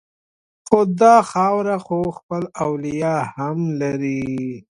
خو دا خاوره خو خپل اولیاء هم لري